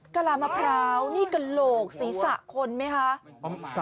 กลามะพร้าวนี่กระโหลกศีรษะคนไหมคะ